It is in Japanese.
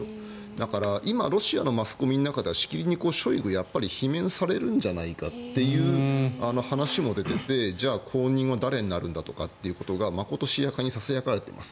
だから、今ロシアのマスコミの中ではしきりにショイグはやっぱり罷免されるんじゃないかという話も出ていてじゃあ後任は誰になるんだってことがまことしやかにささやかれています。